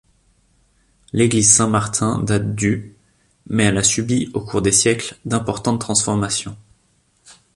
L'église Saint-Martin date du mais elle a subi, au cours des siècles, d’importantes transformations.